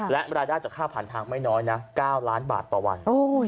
และรายได้จากค่าผ่านทางไม่น้อยนะ๙ล้านบาทต่อวัน